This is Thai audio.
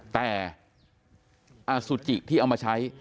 แต่อสุจิที่เอามาใช้